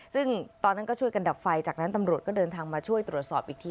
ซึ่งตอนนั้นก็ช่วยกันดับไฟจากนั้นตำรวจก็เดินทางมาช่วยตรวจสอบอีกที